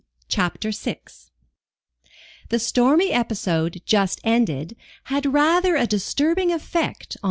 CHAPTER VI The stormy episode just ended had rather a disturbing effect on M.